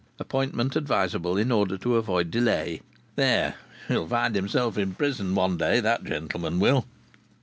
Appointment advisable in order to avoid delay.' There! He'll find himself in prison one day, that gentleman will!"